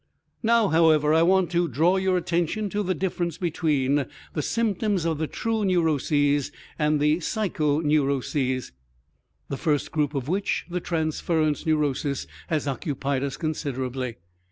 Now, however, I want to draw your attention to the difference between the symptoms of the true neuroses and the psychoneuroses, the first group of which, the transference neurosis, has occupied us considerably.